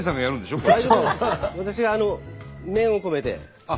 私が念を込めて。